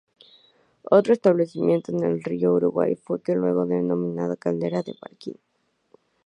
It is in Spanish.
Otro establecimiento en el bajo río Uruguay fue la luego denominada Calera de Barquín.